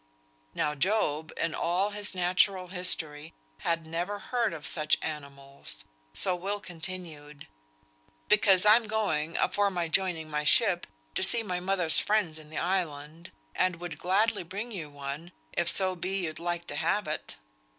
Now Job, in all his natural history, had never heard of such animals; so Will continued, "Because I'm going, afore joining my ship, to see mother's friends in the island, and would gladly bring you one, if so be you'd like to have it.